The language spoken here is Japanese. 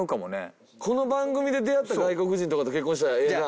この番組で出会った外国人とかと結婚したらええな。